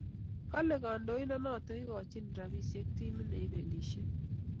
Kale Kandoindonaton ikachin rapishek timit neibelishe